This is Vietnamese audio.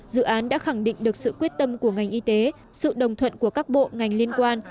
dự án đã khẳng định được sự quyết tâm của ngành y tế sự đồng thuận của các bộ ngành liên quan